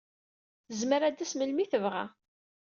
Tezmer ad d-tas melmi ay tebɣa.